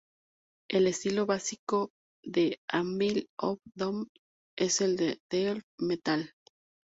El estilo básico de Anvil of Doom es el death metal.